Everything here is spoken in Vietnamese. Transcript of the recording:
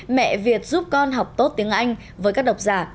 mẹ việt giúp con học tốt tiếng anh với các độc giả